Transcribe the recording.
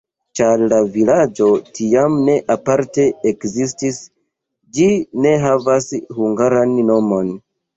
Ĉar la vilaĝo tiam ne aparte ekzistis, ĝi ne havas hungaran nomon.